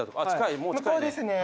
向こうですね。